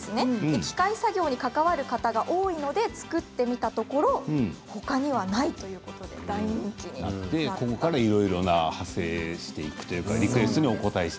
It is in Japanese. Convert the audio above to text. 機械作業に関わる方が多いので作ってみたところ他にはないということで大人気になりました。